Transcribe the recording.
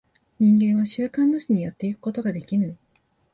人間は習慣なしにやってゆくことができぬ。